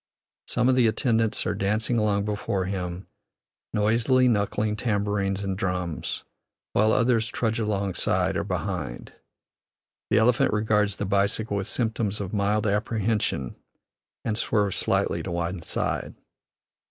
Some of the attendants are dancing along before him, noisily knuckling tambourines and drums, while others trudge alongside or behind. The elephant regards the bicycle with symptoms of mild apprehension, and swerves slightly to one side.